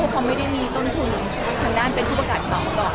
เขาไม่ได้มีต้นทุนทางด้านเป็นผู้ประกาศข่าวมาก่อน